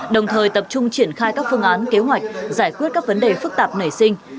đồng thời tập trung triển khai các phương án kế hoạch giải quyết các vấn đề phức tạp nảy sinh